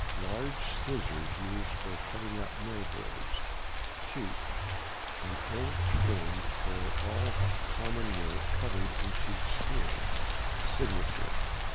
—Large scissors used for cutting up mill boards. SHEEP.—An old term for all common work covered in sheep skin. SIGNATURE.